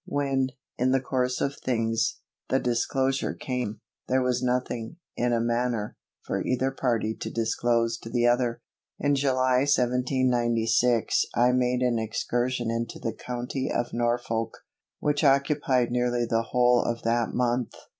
When, in the course of things, the disclosure came, there was nothing, in a manner, for either party to disclose to the other. In July 1796 I made an excursion into the county of Norfolk, which occupied nearly the whole of that month.